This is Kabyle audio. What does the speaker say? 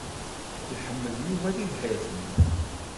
Yehmel Yuba tibḥirt-nni.